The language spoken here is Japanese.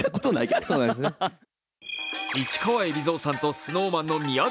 市川海老蔵さんとＳｎｏｗＭａｎの宮舘さん。